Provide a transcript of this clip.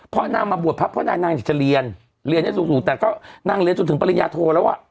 เพราะนางมาบวชพระเพราะนางอยากจะเรียนเรียนได้สูงแต่ก็นางเรียนจนถึงปริญญาโทแล้วอ่ะ